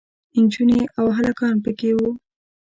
نجونې او هلکان پکې وو.